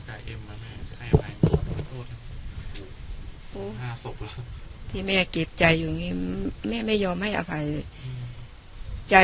แม่กลัวเกลียดใจอยู่แม่ไม่ยอมให้อภัยเลย